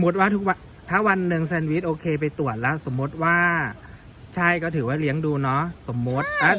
ว่าถ้าวันหนึ่งแซนวิชโอเคไปตรวจแล้วสมมุติว่าใช่ก็ถือว่าเลี้ยงดูเนาะสมมุติ